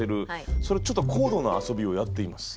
それちょっと高度な遊びをやっています。